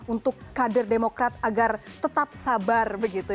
untuk kader demokrat agar tetap sabar begitu